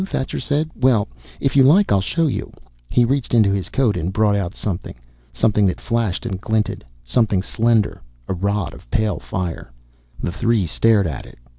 Thacher said. "Well, if you like, I'll show you." He reached into his coat and brought out something. Something that flashed and glinted, something slender. A rod of pale fire. The three stared at it.